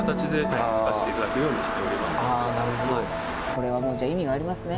これはもうじゃあ意味がありますね。